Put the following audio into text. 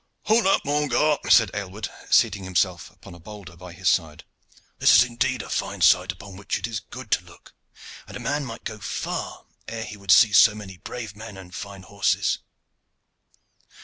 "Hola, mon gar.," said Aylward, seating himself upon a boulder by his side. "This is indeed a fine sight upon which it is good to look, and a man might go far ere he would see so many brave men and fine horses.